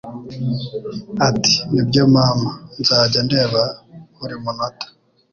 Ati: "Nibyo mama, nzajya ndeba buri munota.